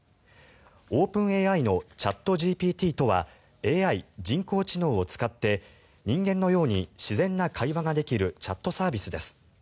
オープンＡＩのチャットＧＰＴとはＡＩ・人工知能を使って人間のように自然な会話ができるチャットサービスです。